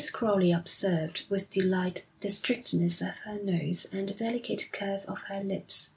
Crowley observed with delight the straightness of her nose and the delicate curve of her lips.